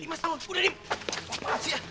dimas bangun udah dimas